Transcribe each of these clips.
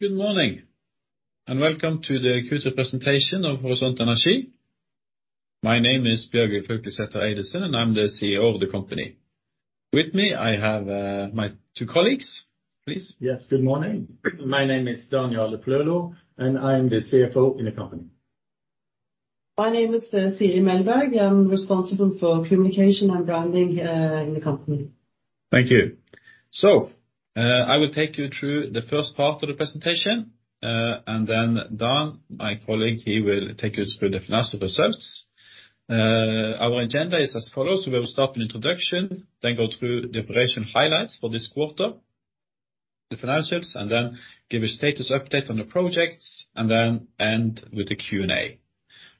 Good morning, and welcome to the quarter presentation of Horisont Energi. My name is Bjørgulf Haukelidsæter Eidesen, and I'm the CEO of the company. With me, I have my two colleagues. Please. Yes, good morning. My name is Dan Jarle Flølo, and I am the CFO in the company. My name is Siri Melberg. I'm responsible for communication and branding in the company. Thank you. I will take you through the first part of the presentation, and then Dan, my colleague here, will take you through the financial results. Our agenda is as follows. We will start with an introduction, then go through the operational highlights for this quarter, the financials, and then give a status update on the projects, and then end with the Q&A.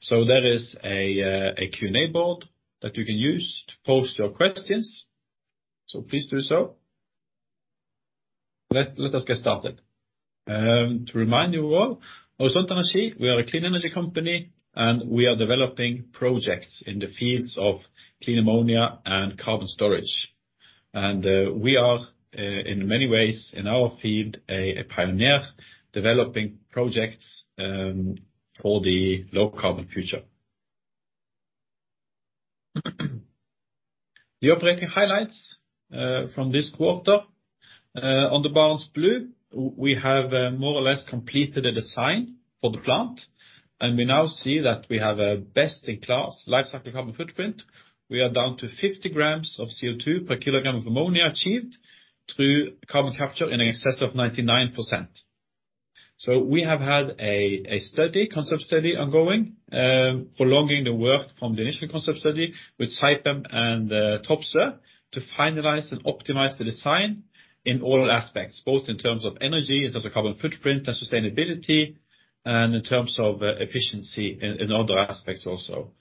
There is a Q&A board that you can use to post your questions. Please do so. Let us get started. To remind you all, Horisont Energi, we are a clean energy company, and we are developing projects in the fields of clean ammonia and carbon storage. We are in many ways in our field a pioneer developing projects for the low-carbon future. The operating highlights from this quarter on the Barents Blue, we have more or less completed a design for the plant, and we now see that we have a best-in-class life cycle carbon footprint. We are down to 50g of CO2 per kilogram of ammonia achieved through carbon capture in excess of 99%. We have had a concept study ongoing, following the work from the initial concept study with Saipem and Topsoe to finalize and optimize the design in all aspects, both in terms of energy, in terms of carbon footprint and sustainability, and in terms of efficiency in other aspects also.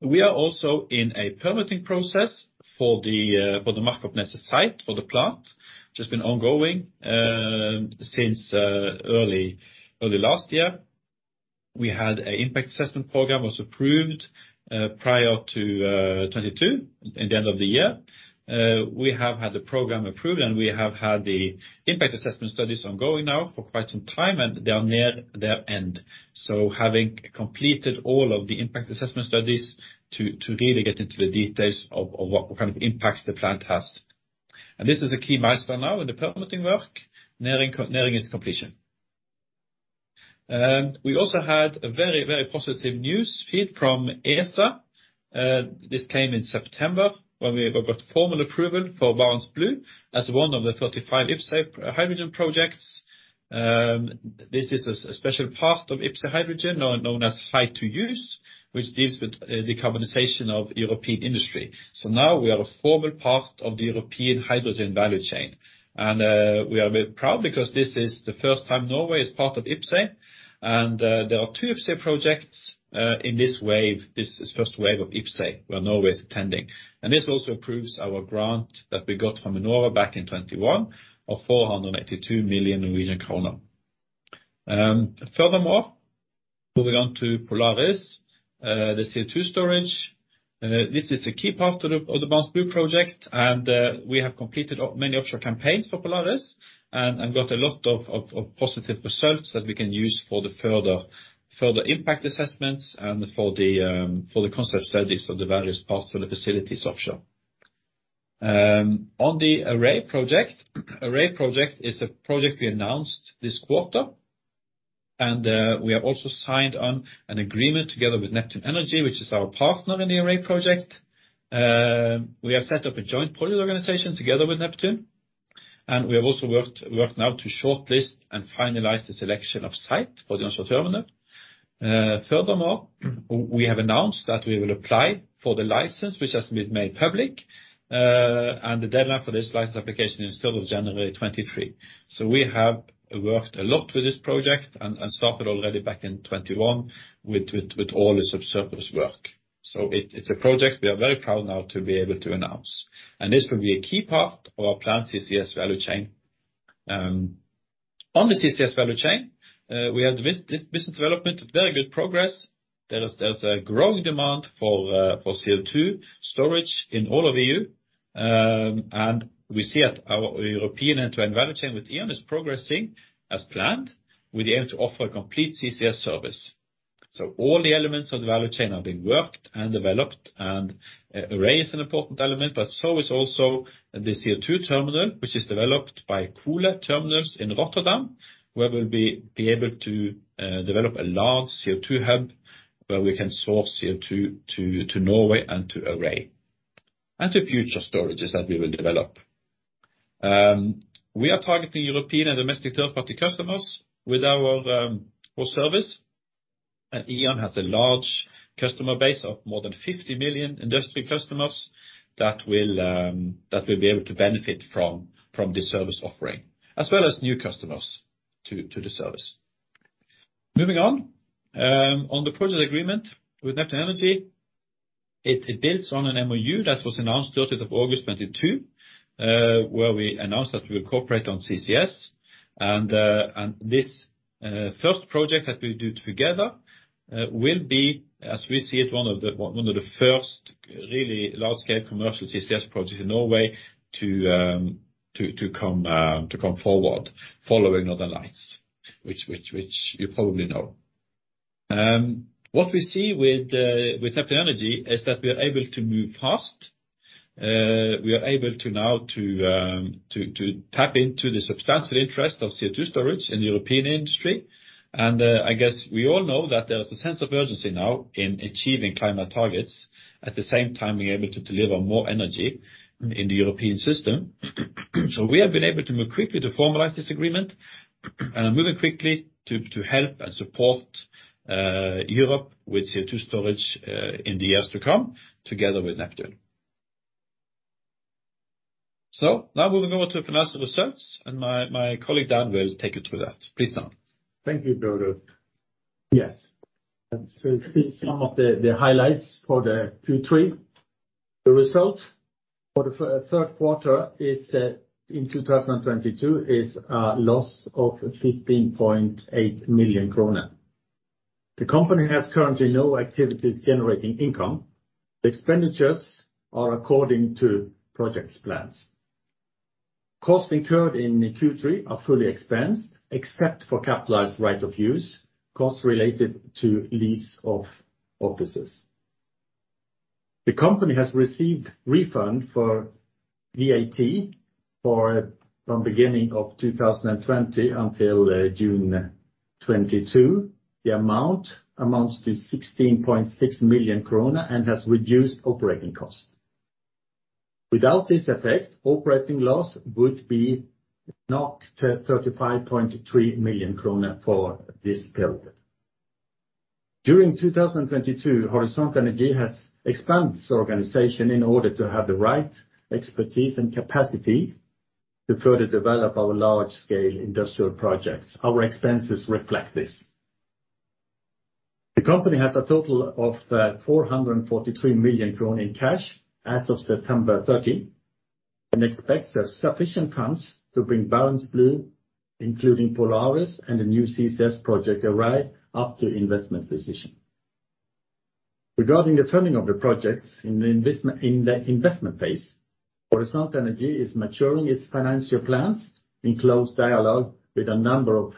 We are also in a permitting process for the Markoppneset site for the plant, which has been ongoing since early last year. We had an impact assessment program approved prior to 2022, at the end of the year. We have had the program approved, and we have had the impact assessment studies ongoing now for quite some time, and they are near their end. Having completed all of the impact assessment studies to really get into the details of what kind of impacts the plant has. This is a key milestone now in the permitting work, nearing its completion. We also had a very, very positive feedback from ESA. This came in September when we have got formal approval for Barents Blue as one of the 35 IPCEI hydrogen projects. This is a special part of IPCEI hydrogen, now known as Hy2Use, which deals with decarbonization of European industry. Now we are a formal part of the European hydrogen value chain. We are very proud because this is the first time Norway is part of IPCEI, and there are two IPCEI projects in this first wave of IPCEI where Norway is attending. This also approves our grant that we got from Enova back in 2021 of 482 million Norwegian kroner. Furthermore, moving on to Polaris, the CO2 storage. This is the key part of the Barents Blue project, and we have completed many offshore campaigns for Polaris and got a lot of positive results that we can use for the further impact assessments and for the concept studies of the various parts of the facilities offshore. On the Array project, Array project is a project we announced this quarter, and we have also signed an agreement together with Neptune Energy, which is our partner in the Array project. We have set up a joint project organization together with Neptune, and we have also worked now to shortlist and finalize the selection of site for the onshore terminal. Furthermore, we have announced that we will apply for the license, which has been made public, and the deadline for this license application is third of January 2023. We have worked a lot with this project and started already back in 2021 with all the subsurface work. It's a project we are very proud now to be able to announce, and this will be a key part of our planned CCS value chain. On the CCS value chain, we had this business development, very good progress. There's a growing demand for CO2 storage all over the EU, and we see that our European end-to-end value chain with E.ON is progressing as planned, with the aim to offer a complete CCS service. All the elements of the value chain are being worked and developed and Array is an important element, but so is also the CO2 terminal, which is developed by Koole Terminals in Rotterdam, where we'll be able to develop a large CO2 hub where we can source CO2 to Norway and to Array, and to future storages that we will develop. We are targeting European and domestic third-party customers with our service. E.ON has a large customer base of more than 50 million industry customers that will be able to benefit from this service offering, as well as new customers to the service. Moving on. On the project agreement with Neptune Energy, it builds on an MoU that was announced thirtieth of August 2022, where we announced that we would cooperate on CCS and this first project that we do together will be, as we see it, one of the first really large scale commercial CCS projects in Norway to come forward following Northern Lights, which you probably know. What we see with Neptune Energy is that we are able to move fast. We are able to now tap into the substantial interest of CO2 storage in the European industry. I guess we all know that there is a sense of urgency now in achieving climate targets. At the same time, we're able to deliver more energy in the European system. We have been able to move quickly to formalize this agreement and moving quickly to help and support Europe with CO2 storage in the years to come, together with Neptune. Now moving on to financial results, and my colleague, Dan, will take you through that. Please, Dan. Thank you, Bjørgulf. Yes. See some of the highlights for the Q3. The result for the third quarter is in 2022 a loss of 15.8 million kroner. The company has currently no activities generating income. The expenditures are according to projects plans. Costs incurred in Q3 are fully expensed, except for capitalized right-of-use costs related to lease of offices. The company has received refund for VAT from beginning of 2020 until June 2022. The amount amounts to 16.6 million krone and has reduced operating costs. Without this effect, operating loss would be 35.3 million kroner for this period. During 2022, Horisont Energi has expanded its organization in order to have the right expertise and capacity to further develop our large scale industrial projects. Our expenses reflect this. The company has a total of 443 million in cash as of September 30, and expects there's sufficient funds to bring Barents Blue, including Polaris and the new CCS project Array, up to investment position. Regarding the funding of the projects in the investment phase, Horisont Energi is maturing its financial plans in close dialogue with a number of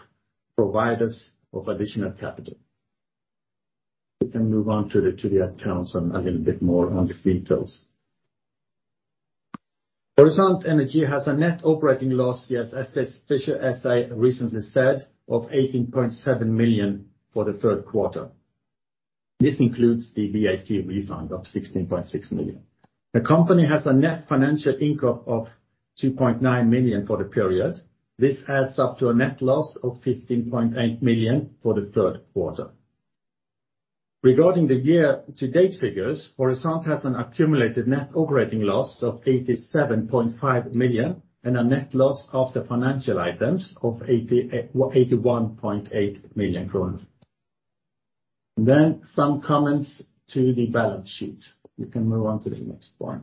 providers of additional capital. We can move on to the accounts and a little bit more on the details. Horisont Energi has a net operating loss, just as Bjørgulf Eidesen recently said, of 18.7 million for the third quarter. This includes the VAT refund of 16.6 million. The company has a net financial income of 2.9 million for the period. This adds up to a net loss of 15.8 million for the third quarter. Regarding the year to date figures, Horisont has an accumulated net operating loss of 87.5 million and a net loss after financial items of 81.8 million krona. Some comments to the balance sheet. We can move on to the next point.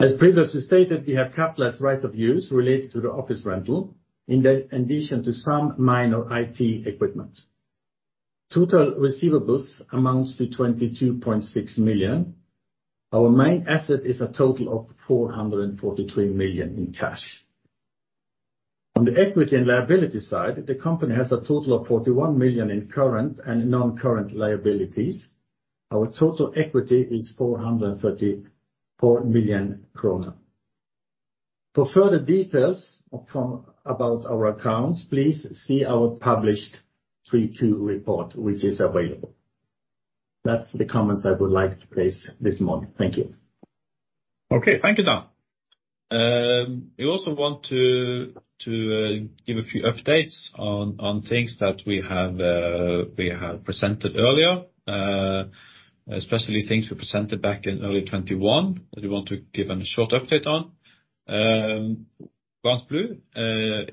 As previously stated, we have capitalized right-of-use related to the office rental, in addition to some minor IT equipment. Total receivables amounts to 22.6 million. Our main asset is a total of 443 million in cash. On the equity and liability side, the company has a total of 41 million in current and non-current liabilities. Our total equity is 434 million krona. For further details about our accounts, please see our published Q3 report, which is available. That's the comments I would like to make this morning. Thank you. Okay, thank you, Dan. We also want to give a few updates on things that we have presented earlier, especially things we presented back in early 2021, that we want to give a short update on. Barents Blue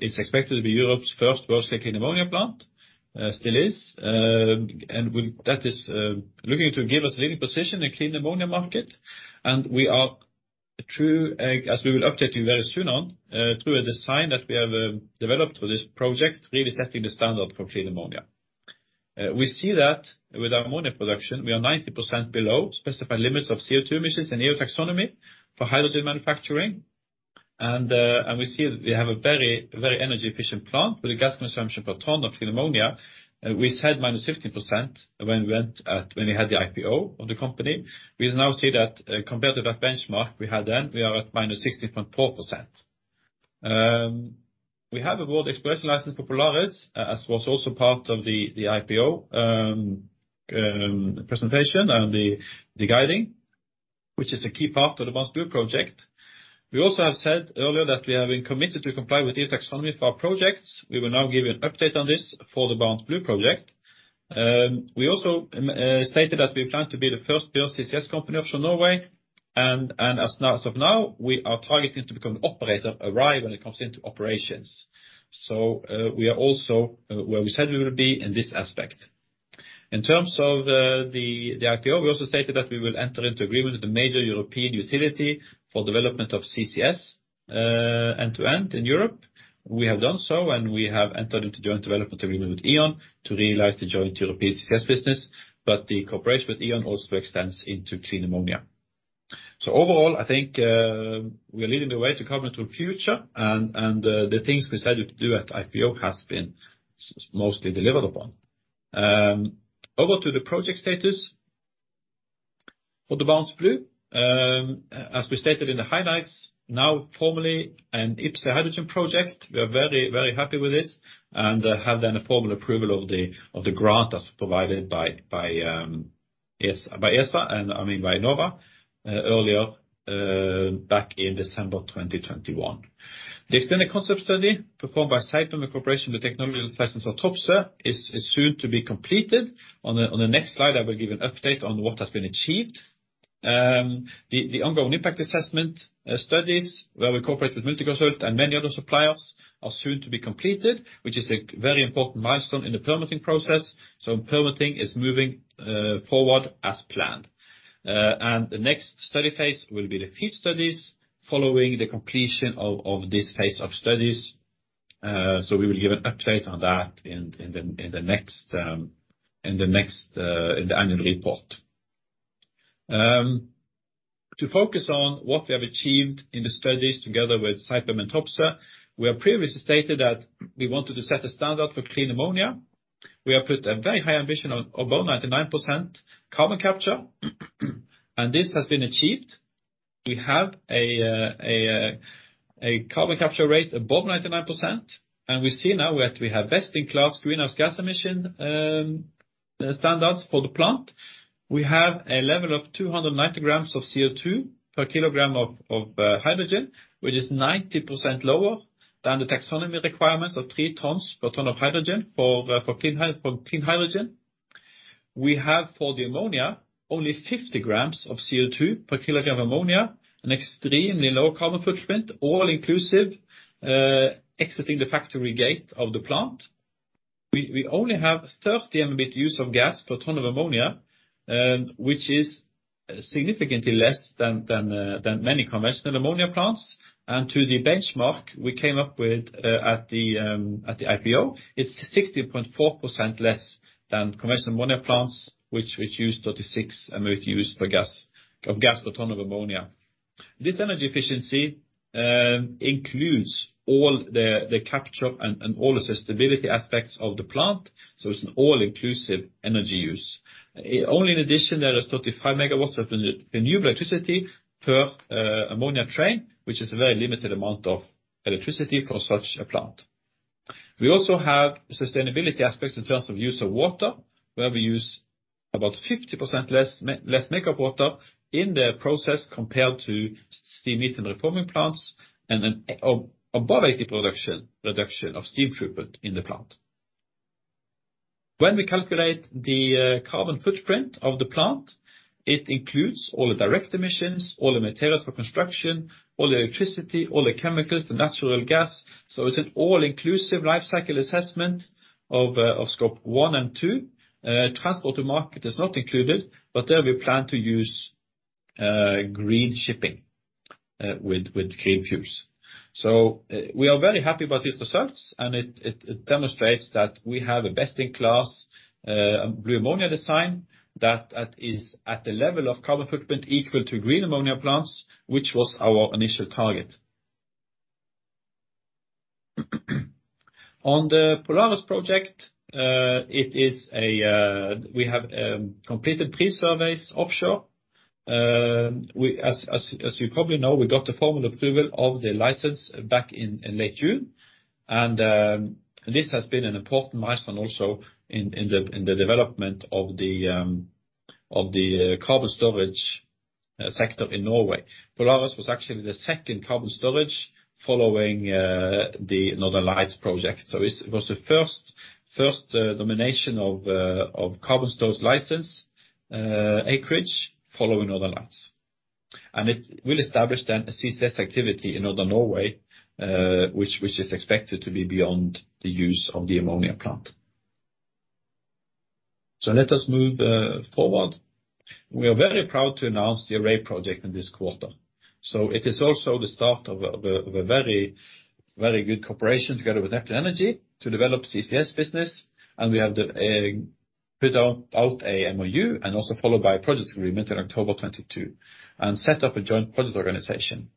is expected to be Europe's first large-scale clean ammonia plant, still is. With that is looking to give us leading position in clean ammonia market. We are through, as we will update you very soon on, through a design that we have developed for this project, really setting the standard for clean ammonia. We see that with our ammonia production, we are 90% below specified limits of CO2 emissions in EU Taxonomy for hydrogen manufacturing. We see we have a very, very energy-efficient plant with a gas consumption per ton of clean ammonia. We said minus 15% when we had the IPO of the company. We now see that, compared to that benchmark we had then, we are at minus 16.4%. We have awarded exploration license for Polaris, as was also part of the IPO presentation and the guidance, which is a key part of the Barents Blue project. We also have said earlier that we have been committed to comply with EU Taxonomy for our projects. We will now give you an update on this for the Barents Blue project. We also stated that we plan to be the first pure CCS company of Norway. As of now, we are targeting to become operator of Array when it comes into operations. We are also where we said we will be in this aspect. In terms of the IPO, we also stated that we will enter into agreement with the major European utility for development of CCS, end to end in Europe. We have done so, and we have entered into joint development agreement with E.ON to realize the joint European CCS business. But the cooperation with E.ON also extends into clean ammonia. Overall, I think, we are leading the way to a carbon-free future and the things we said we'd do at IPO has been mostly delivered upon. Over to the project status. For the Barents Blue, as we stated in the highlights, now formally an IPCEI hydrogen project, we are very, very happy with this, and have then a formal approval of the grant as provided by ESA and, I mean, by Enova earlier back in December 2021. The extended concept study performed by Saipem in cooperation with technology licensor Topsoe is soon to be completed. On the next slide, I will give an update on what has been achieved. The ongoing impact assessment studies where we cooperate with Multiconsult and many other suppliers are soon to be completed, which is a very important milestone in the permitting process. Permitting is moving forward as planned. The next study phase will be the FEED studies following the completion of this phase of studies. We will give an update on that in the next annual report. To focus on what we have achieved in the studies together with Saipem and Topsoe, we have previously stated that we wanted to set a standard for clean ammonia. We have put a very high ambition of above 99% carbon capture, and this has been achieved. We have a carbon capture rate above 99%, and we see now that we have best-in-class greenhouse gas emission standards for the plant. We have a level of 290g of CO2 per kilogram of hydrogen, which is 90% lower than the taxonomy requirements of 3 tons per ton of hydrogen for clean hydrogen. We have for the ammonia only 50g of CO2 per kilogram of ammonia, an extremely low carbon footprint, all inclusive, exiting the factory gate of the plant. We only have 30MMBtu of gas per ton of ammonia, which is significantly less than many conventional ammonia plants. To the benchmark we came up with at the IPO, it's 60.4% less than conventional ammonia plants, which use 36MMBtu of gas per ton of ammonia. This energy efficiency includes all the capture and all the sustainability aspects of the plant, so it's an all-inclusive energy use. Only in addition, there is 35MW of renewable electricity per ammonia train, which is a very limited amount of electricity for such a plant. We also have sustainability aspects in terms of use of water, where we use about 50% less makeup water in the process compared to steam methane reforming plants and an above 80% reduction of steam footprint in the plant. When we calculate the carbon footprint of the plant, it includes all the direct emissions, all the materials for construction, all the electricity, all the chemicals, the natural gas. It's an all-inclusive life cycle assessment of Scope one and two. Transport to market is not included, but there we plan to use green shipping with clean fuels. We are very happy about these results, and it demonstrates that we have a best-in-class blue ammonia design that is at the level of carbon footprint equal to green ammonia plants, which was our initial target. On the Polaris Project, we have completed pre-surveys offshore. As you probably know, we got the formal approval of the license back in late June. This has been an important milestone also in the development of the carbon storage sector in Norway. Polaris was actually the second carbon storage following the Northern Lights project. It was the first nomination of carbon storage license acreage following Northern Lights. It will establish then a CCS activity in Northern Norway, which is expected to be beyond the use of the ammonia plant. Let us move forward. We are very proud to announce the Array project in this quarter. It is also the start of a very good cooperation together with Neptune Energy to develop CCS business, and we have put out a MoU and also followed by a project agreement in October 2022, and set up a joint project organization.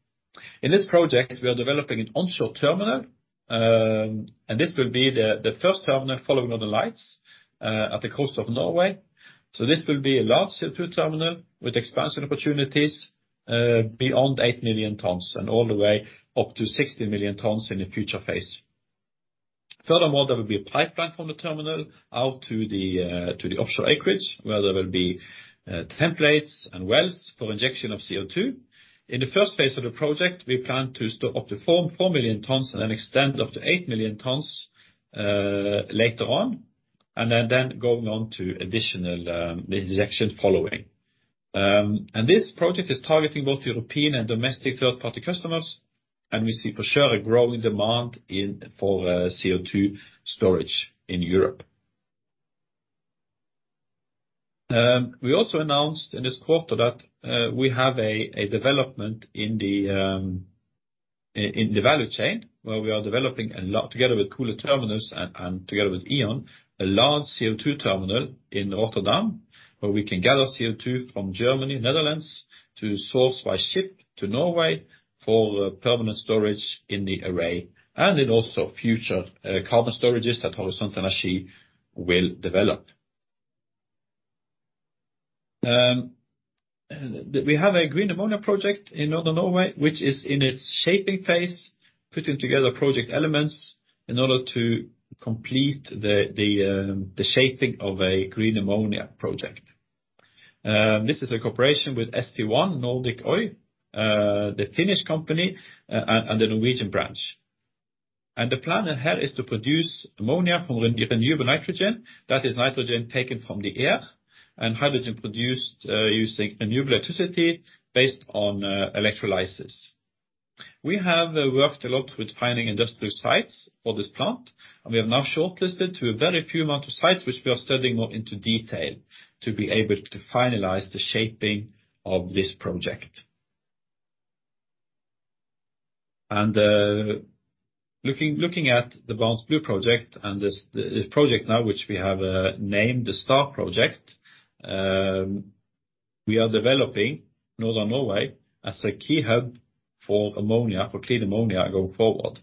In this project, we are developing an onshore terminal, and this will be the first terminal following Northern Lights at the coast of Norway. This will be a large CO2 terminal with expansion opportunities beyond 8 million tons and all the way up to 60 million tons in the future phase. Furthermore, there will be a pipeline from the terminal out to the offshore acreage, where there will be templates and wells for injection of CO2. In the first phase of the project, we plan to store up to 4 million tons and then extend up to 8 million tons later on, and then going on to additional injections following. This project is targeting both European and domestic third-party customers, and we see for sure a growing demand in for CO2 storage in Europe. We also announced in this quarter that we have a development in the value chain, where we are developing a lot together with Koole Terminals and together with E.ON, a large CO₂ terminal in Rotterdam, where we can gather CO₂ from Germany, Netherlands to source by ship to Norway for permanent storage in the Array. In the future also, carbon storages that Horisont Energi will develop. We have a green ammonia project in Northern Norway, which is in its shaping phase, putting together project elements in order to complete the shaping of a green ammonia project. This is a cooperation with St1 Nordic Oy, the Finnish company and the Norwegian branch. The plan ahead is to produce ammonia from renewable nitrogen. That is nitrogen taken from the air and hydrogen produced using renewable electricity based on electrolysis. We have worked a lot with finding industrial sites for this plant, and we have now shortlisted to a very few amount of sites which we are studying more into detail to be able to finalize the shaping of this project. Looking at the Barents Blue project and this project now, which we have named the Star Project, we are developing Northern Norway as a key hub for ammonia, for clean ammonia going forward.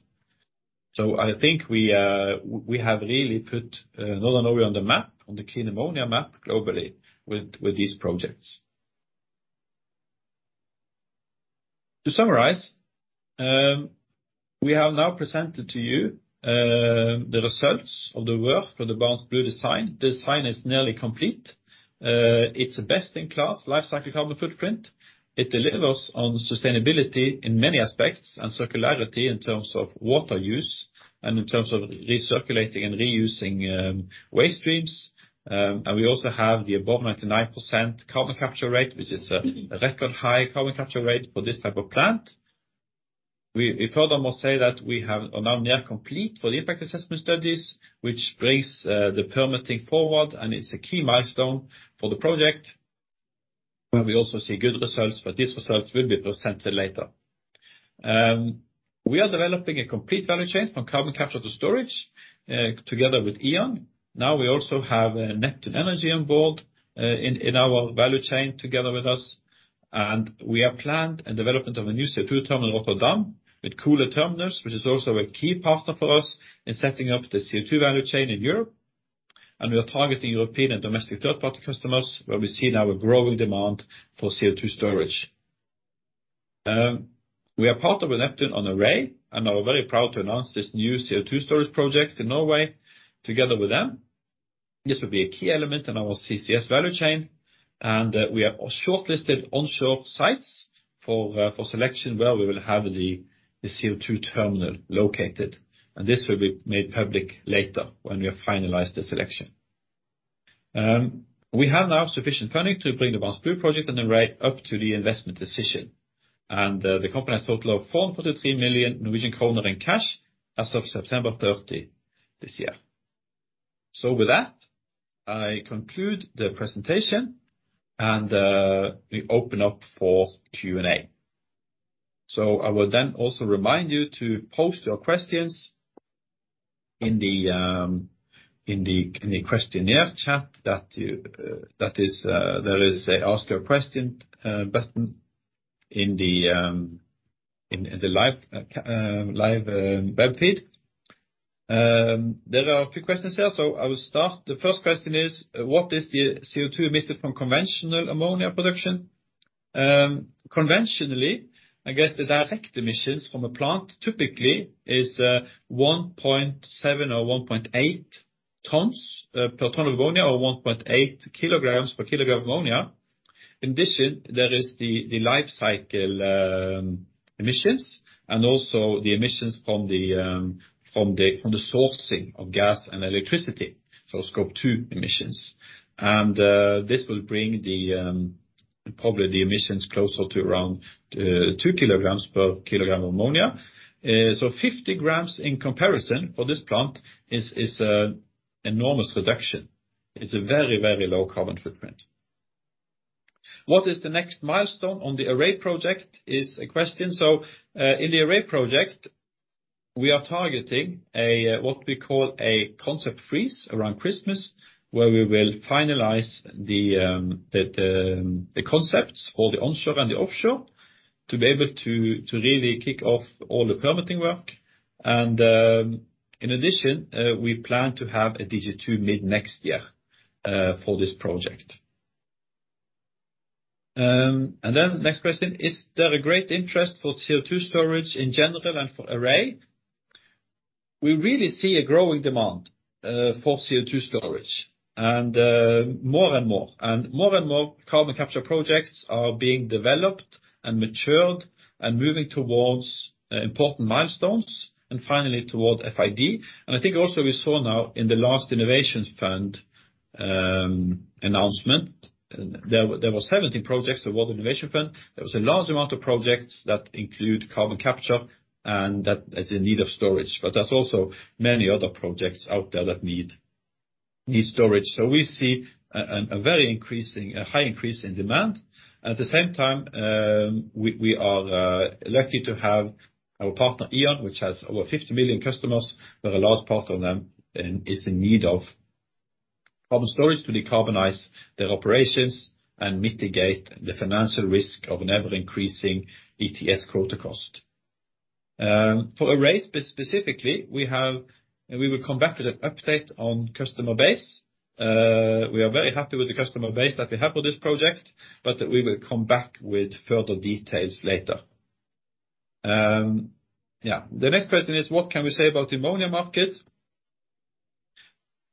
I think we have really put Northern Norway on the map, on the clean ammonia map globally with these projects. To summarize, we have now presented to you the results of the work for the Barents Blue design. The design is nearly complete. It's a best in class life cycle carbon footprint. It delivers on sustainability in many aspects, and circularity in terms of water use and in terms of recirculating and reusing waste streams. We also have the above 99% carbon capture rate, which is a record high carbon capture rate for this type of plant. We furthermore say that we are now near complete for the impact assessment studies, which brings the permitting forward, and it's a key milestone for the project. We also see good results, but these results will be presented later. We are developing a complete value chain from carbon capture to storage together with E.ON. Now we also have Neptune Energy on board in our value chain together with us. We have planned a development of a new CO2 terminal in Rotterdam with Koole Terminals, which is also a key partner for us in setting up the CO2 value chain in Europe. We are targeting European and domestic third-party customers, where we see now a growing demand for CO2 storage. We are part of Neptune and Array and are very proud to announce this new CO2 storage project in Norway together with them. This will be a key element in our CCS value chain, and we have shortlisted onshore sites for selection, where we will have the CO2 terminal located. This will be made public later when we have finalized the selection. We have now sufficient funding to bring the Barents Blue project and Array up to the investment decision. The company has a total of 433 million Norwegian kroner in cash as of September 30 this year. With that, I conclude the presentation and we open up for Q&A. I will then also remind you to post your questions in the questionnaire chat that is there is an ask a question button in the live web feed. There are a few questions here, so I will start. The first question is, what is the CO₂ emitted from conventional ammonia production? Conventionally, I guess the direct emissions from a plant typically is 1.7 or 1.8 tons per ton of ammonia, or 1.8kg per kilogram of ammonia. In addition, there is the life cycle emissions and also the emissions from the sourcing of gas and electricity, so Scope two emissions. This will bring probably the emissions closer to around 2kg per kilogram ammonia. 50g in comparison for this plant is an enormous reduction. It's a very, very low carbon footprint. What is the next milestone on the Array project? Is a question. In the Array project, we are targeting what we call a concept freeze around Christmas, where we will finalize the concepts for the onshore and the offshore to be able to really kick off all the permitting work. In addition, we plan to have a DG2 mid next year for this project. Next question, is there a great interest for CO2 storage in general and for Array? We really see a growing demand for CO2 storage and more and more. More and more carbon capture projects are being developed and matured and moving towards important milestones. Finally toward FID. I think also we saw now in the last Innovation Fund announcement, there was 17 projects, the Innovation Fund. There was a large amount of projects that include carbon capture and that is in need of storage. But there's also many other projects out there that need storage. We see a very high increase in demand. At the same time, we are lucky to have our partner, E.ON, which has over 50 million customers, where a large part of them is in need of carbon storage to decarbonize their operations and mitigate the financial risk of an ever-increasing ETS quota cost. For Array specifically, we will come back with an update on customer base. We are very happy with the customer base that we have for this project, but we will come back with further details later. Yeah. The next question is, what can we say about ammonia market?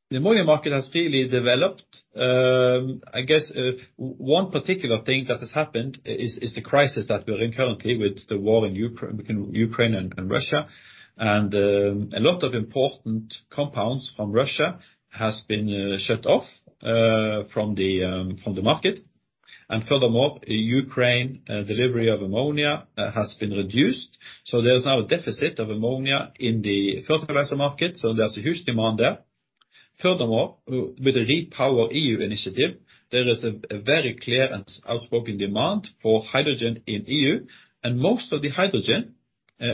The ammonia market has really developed. I guess one particular thing that has happened is the crisis that we're in currently with the war in Ukraine, between Ukraine and Russia. A lot of important commodities from Russia have been shut off from the market. Furthermore, Ukraine delivery of ammonia has been reduced. There's now a deficit of ammonia in the fertilizer market, so there's a huge demand there. Furthermore, with the REPowerEU initiative, there is a very clear and outspoken demand for hydrogen in EU. Most of the hydrogen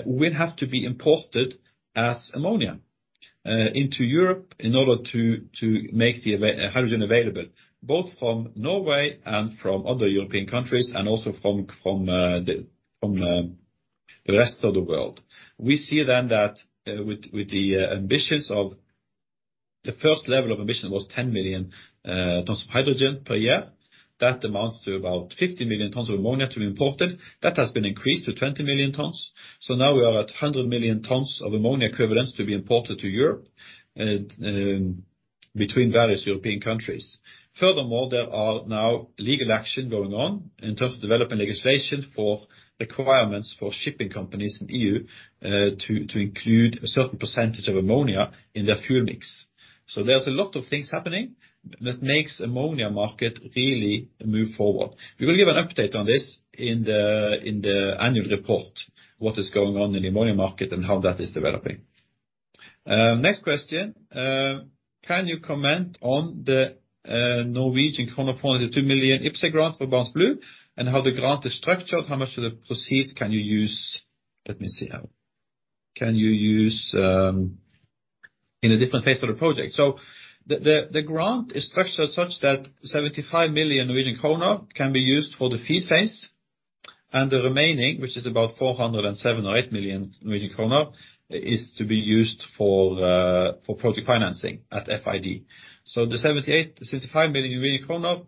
will have to be imported as ammonia into Europe in order to make hydrogen available, both from Norway and from other European countries, and also from the rest of the world. We see then that with the ambitions of the first level of ambition was 10 million tons of hydrogen per year. That amounts to about 50 million tons of ammonia to be imported. That has been increased to 20 million tons. Now we are at 100 million tons of ammonia equivalence to be imported to Europe, between various European countries. Furthermore, there are now legal action going on in terms of developing legislation for requirements for shipping companies in EU, to include a certain percentage of ammonia in their fuel mix. There's a lot of things happening that makes ammonia market really move forward. We will give an update on this in the annual report, what is going on in the ammonia market and how that is developing. Next question. Can you comment on the 2 million IPCEI grants for Barents Blue, and how the grant is structured? How much of the proceeds can you use? Let me see. Can you use in a different phase of the project? The grant is structured such that 75 million Norwegian krone can be used for the FEED phase, and the remaining, which is about 407 or 408 million, is to be used for project financing at FID. The 75 million kroner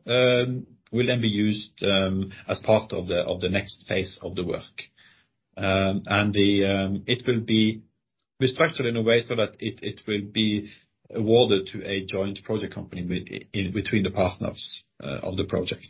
will then be used as part of the next phase of the work. It will be structured in a way so that it will be awarded to a joint project company in between the partners of the project.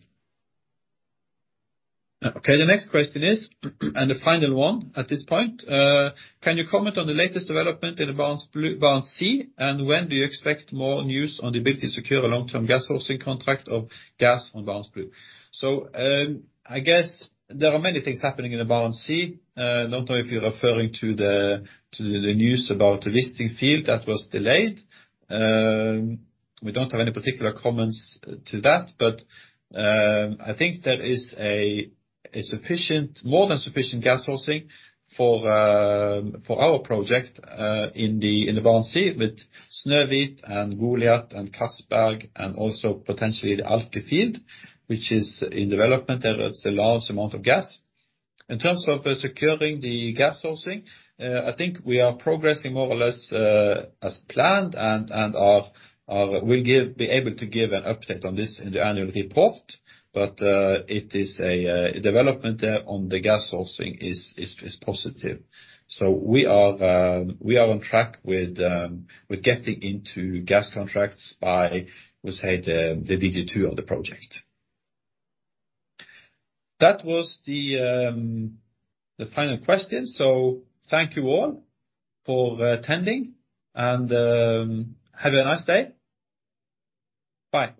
Okay, the next question is, and the final one at this point, can you comment on the latest development in the Barents Sea, and when do you expect more news on the ability to secure a long-term gas sourcing contract for gas for Barents Blue? I guess there are many things happening in the Barents Sea. I don't know if you're referring to the news about the Wisting field that was delayed. We don't have any particular comments to that, but I think there is a sufficient, more than sufficient gas sourcing for our project in the Barents Sea with Snøhvit and Gullfaks and Johan Castberg and also potentially the Aasta field, which is in development. There is a large amount of gas. In terms of securing the gas sourcing, I think we are progressing more or less as planned and are able to give an update on this in the annual report. It is a development there on the gas sourcing is positive. We are on track with getting into gas contracts by, we say, the DG2 of the project. That was the final question. Thank you all for attending and have a nice day. Bye.